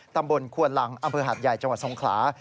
ตำบลควนลังอำเภอหาดใหญ่จังหวัดสงขลา